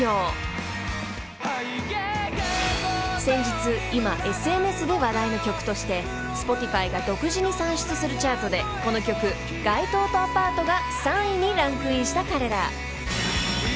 ［先日今ＳＮＳで話題の曲としてＳｐｏｔｉｆｙが独自に算出するチャートでこの曲『外灯とアパート』が３位にランクインした彼ら］